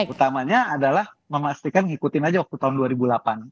utamanya adalah memastikan ngikutin aja waktu tahun dua ribu delapan